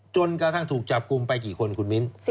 จนกระทั่งถูกจับกลุ่มไปกี่คนคุณมิ้น